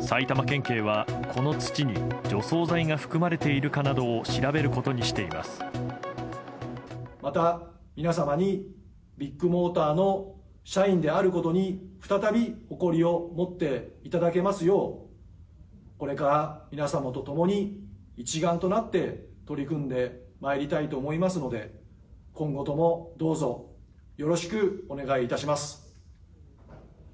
埼玉県警はこの土に除草剤が含まれているかなどを調べることにしまた、皆様に、ビッグモーターの社員であることに再び誇りを持っていただけますよう、これから皆様と共に一丸となって取り組んでまいりたいと思いますので、今後ともどうぞよろしくお願いいたします。